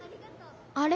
あれ？